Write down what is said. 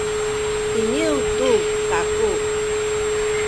iniyu tu kaku